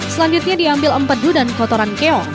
selanjutnya diambil empedu dan kotoran keong